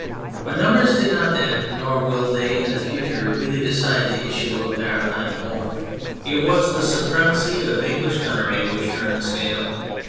But num bers did not then, nor will they in the future, really decide the issue of maritime war. It THE MILITARY ASPECT 213 was the supremacy of English gunnery which turned the scale.